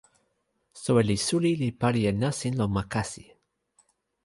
soweli suli li pali e nasin lon ma kasi.